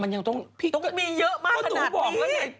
มันยังต้องมีเยอะมากขนาดนี้